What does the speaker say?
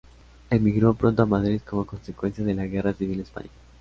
Emigró pronto a Madrid como consecuencia de la Guerra Civil Española.